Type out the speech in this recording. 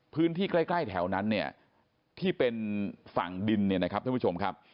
พื้นที่ใกล้แถวนั้นเนี่ยที่เป็นฝั่งดินเนี่ยนะครับท่านผู้ชมครับ